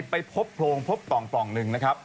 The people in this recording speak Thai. ไปพบโพรงพบปล่องหนึ่งนะครับ